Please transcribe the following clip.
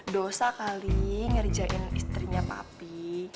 dosa kali ngerjain istrinya papi